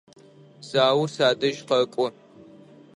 Заур садэжь къэкӏо.